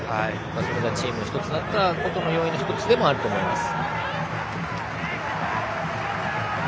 それが、チームが１つになったことの要因の１つでもあると思います。